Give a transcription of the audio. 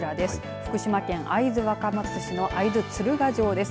福島県会津若松市の会津鶴ヶ城です。